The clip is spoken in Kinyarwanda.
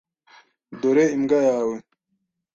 Dore imbwa yawe.